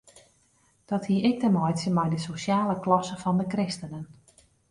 Dat hie ek te meitsjen mei de sosjale klasse fan de kristenen.